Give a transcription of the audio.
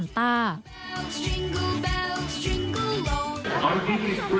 ่วนเจ้าสิ่งที่สามารถจำงานทางบันเยี่ยมเข้ากันครับ